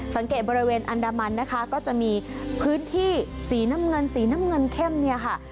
สังเกตบริเวณอันดามันนะคะก็จะมีพื้นที่สีน้ำเงินสีน้ำเงินเข้มเนี่ยค่ะ